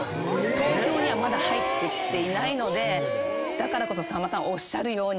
東京にはまだ入ってきていないのでだからこそさんまさんおっしゃるように。